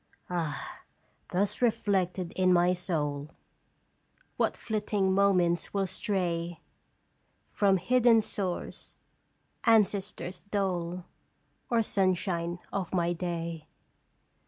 "Ah ! thus reflected in my soul What flitting thoughts will stray From hidden source ancestors' dole, Or sunshine of my day.